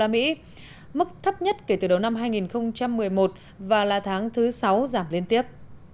mức thấp nhất kể từ đầu năm hai nghìn một mươi một và là tháng thứ sáu giảm liên tiếp